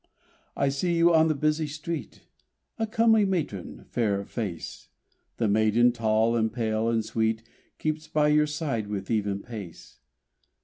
I see you on the busy street, A comely matron, fair of face; The maiden, tall, and pale and sweet, Keeps by your side with even pace.